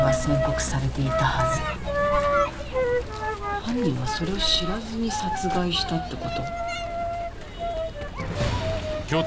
犯人はそれを知らずに殺害したって事？